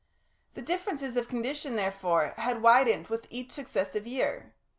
] The differences of condition, therefore, had widened with each successive year.